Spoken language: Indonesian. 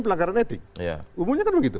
pelanggaran etik umumnya kan begitu